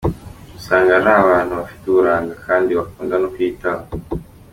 Usanga ari abantu bafite uburanga kandi bakunda no kwiyitaho.